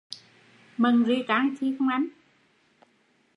Mần ri can chi không anh